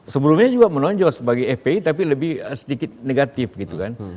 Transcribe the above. sebelumnya juga menonjol sebagai fpi tapi lebih sedikit negatif gitu kan